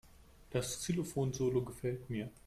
Das Xylophon-Solo gefällt mir.